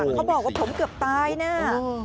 เขาบอกว่าผมเกือบตายนะ